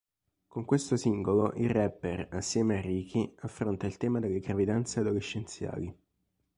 Con questo singolo il rapper, assieme a Riki, affronta il tema delle gravidanze adolescenziali.